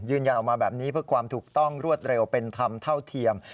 ยืนยันออกมาแบบนี้เพื่อความถูกต้องรวดเร็วเป็นธรรมเท่าเทียม